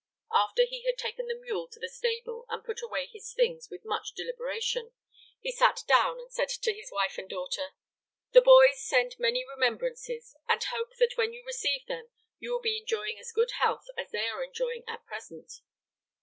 After he had taken the mule to the stable and put away his things with much deliberation, he sat down and said to his wife and daughter: "The boys send many remembrances, and hope that when you receive them you will be enjoying as good health as they are enjoying at present."